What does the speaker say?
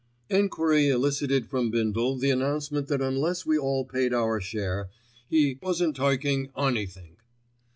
Enquiry elicited from Bindle the announcement that unless we all paid our share, he "wasn't taking anythink."